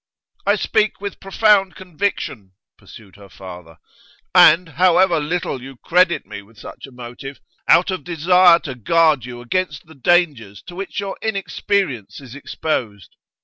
'I speak with profound conviction,' pursued her father, 'and, however little you credit me with such a motive, out of desire to guard you against the dangers to which your inexperience is exposed.